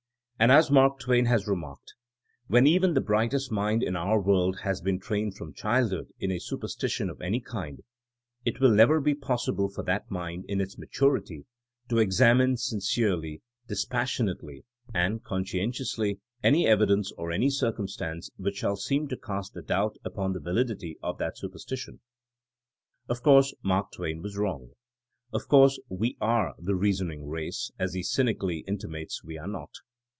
And as Mark Twain has remarked, When even the brightest mind in our world has been trained from childhood in a superstition of any kind, it will never be possible for that mind, in its maturity, to examine sincerely, dispas sionately, and conscientiously any evidence or any circumstance which shall seem to cast a doubt upon the validity of that superstition. '' Of course Mark Twain was wrong. Of course we are The Eeasoning Race, as he cynically in timates we are not.